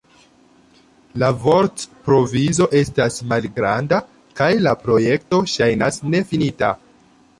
La vortprovizo estas malgranda kaj la projekto ŝajnas nefinita.